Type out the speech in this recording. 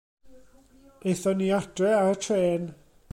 Aethon ni i adra ar y trên.